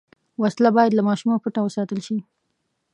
وسله باید له ماشومه پټه وساتل شي